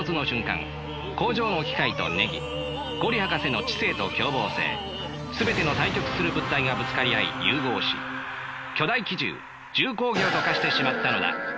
工場の機械とネギ五里博士の知性と凶暴性全ての対極する物体がぶつかり合い融合し巨大奇獣重工業と化してしまったのだ。